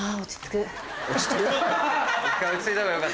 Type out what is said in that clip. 落ち着く？